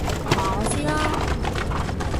話我知啦！